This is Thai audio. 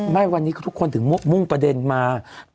ไม่วันนี้ทุกคนถึงมุ่งประเด็นมา